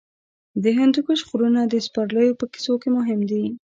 د هندوکش غرونه د سپرليو په کیسو کې مهم دي.